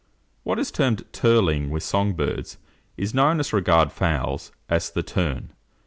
What is termed "turrling" with song birds, is known, as regard fowls, as the "turn."